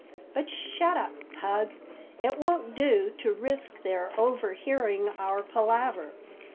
But shut up, Pug; it won't do to risk their overhearing our palaver."